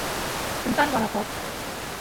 คุณเติ้ล วรภพ